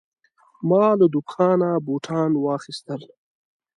ما له دوکانه بوتان واخیستل.